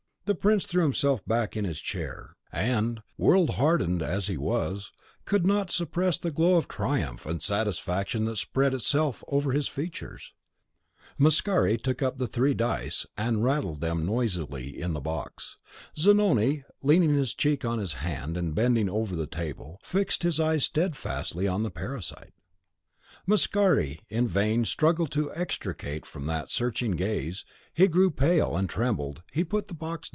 The prince threw himself back in his chair; and, world hardened as he was, could not suppress the glow of triumph and satisfaction that spread itself over his features. Mascari took up the three dice, and rattled them noisily in the box. Zanoni, leaning his cheek on his hand, and bending over the table, fixed his eyes steadfastly on the parasite; Mascari in vain struggled to extricate from that searching gaze; he grew pale, and trembled, he put down the box.